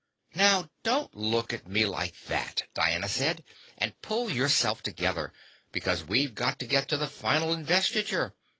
"Now don't look at me like that," Diana said. "And pull yourself together, because we've got to get to the Final Investiture.